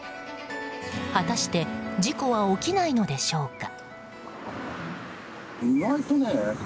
果たして事故は起きないのでしょうか。